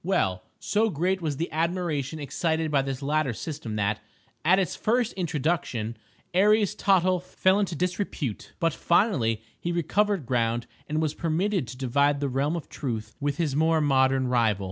Well, so great was the admiration excited by this latter system that, at its first introduction, Aries Tottle fell into disrepute; but finally he recovered ground and was permitted to divide the realm of Truth with his more modern rival.